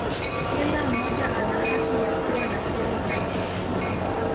Kila mmoja ana haki ya kuwa na siri zake.